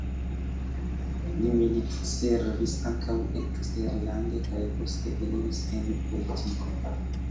Li militservis ankaŭ eksterlande kaj poste eniris en politiko.